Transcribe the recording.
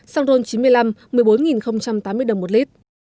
xăng ron chín mươi năm một mươi bốn tám mươi đồng một lít